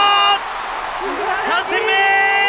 ３点目！